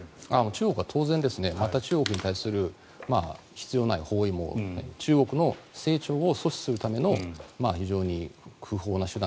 中国は当然また中国に対する必要ない包囲網中国の成長を阻止するための非常に不法な手段